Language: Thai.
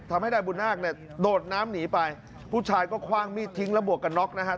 ทำให้นายบุญนาคเนี่ยโดดน้ำหนีไปผู้ชายก็คว่างมีดทิ้งและบวกกันน็อกนะครับ